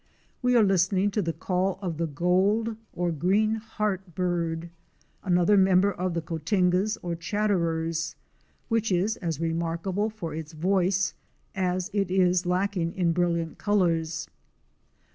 We are listening to the call of the Gold or Greenheart Bird,' another member of the Cotingas or Chatterers, which is as remarkable for its voice as it is lacking in brilliant colors.